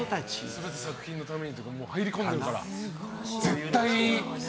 全て作品のために入り込んでるから。